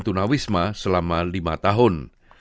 tunawisma selama lima tahun